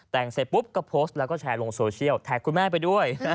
แต่งเสร็จปุ๊บก็โพสต์แล้วก็แชร์ลงโซเชียลแท็กคุณแม่ไปด้วย